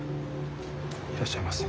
いらっしゃいませ。